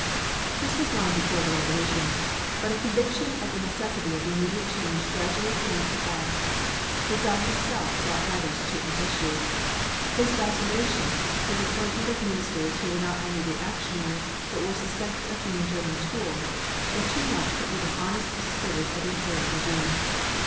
This was long before the revolution. But a conviction of the necessity of immediate change gradually came to all. The Czar himself brought matters to an issue. His vacillation, his appointment of ministers who were not only reactionary, but were suspected of being German tools, were too much for even honest supporters of the Imperial regime.